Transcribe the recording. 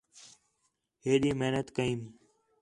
ہیݙی محنت کیئم